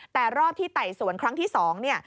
แต่รอบที่ไต่สวนครั้งที่๒